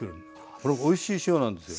これおいしい塩なんですよ。